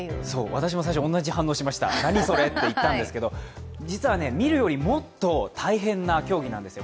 私も最初、同じ反応しました、何それって言ったんですけれども、実は見るより、もっと大変な競技なんですよ。